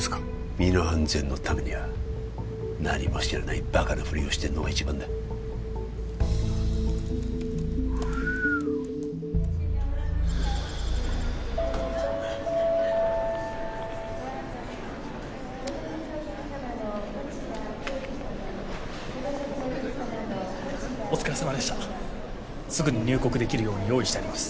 身の安全のためには何も知らないバカなフリをしてるのが一番だお疲れさまでしたすぐに入国できるように用意してあります